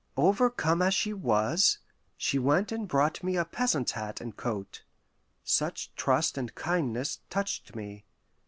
Overcome as she was, she went and brought me a peasant's hat and coat. Such trust and kindness touched me.